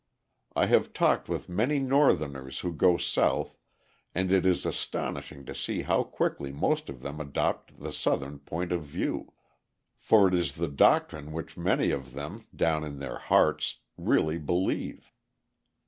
I have talked with many Northerners who go South, and it is astonishing to see how quickly most of them adopt the Southern point of view. For it is the doctrine which many of them, down in their hearts, really believe.